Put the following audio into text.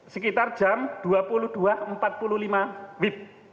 sekitar jam dua puluh dua empat puluh lima wib